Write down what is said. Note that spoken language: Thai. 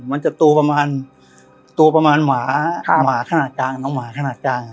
มันจะตัวประมาณตัวประมาณหมาหมาขนาดกลางน้องหมาขนาดกลาง